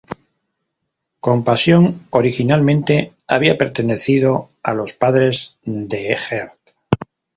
Compasión originalmente había pertenecido a los padres de Gert.